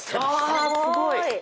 わすごい！